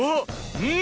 うん！